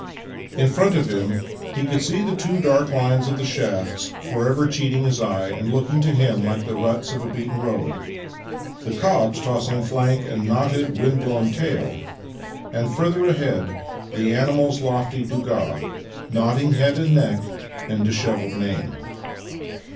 In front of him he could see the two dark lines of the shafts forever cheating his eye, and looking to him like the ruts of a beaten road; the cob's tossing flank and knotted, wind blown tail; and, further ahead, the animal's lofty donga, nodding head and neck, and dishevelled mane.